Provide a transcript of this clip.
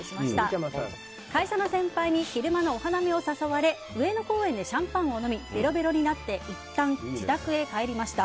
会社の先輩に昼間のお花見に誘われ上野公園でシャンパンを飲みべろべろになっていったん自宅へ帰りました。